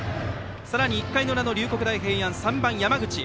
さらに１回裏、龍谷大平安３番、山口。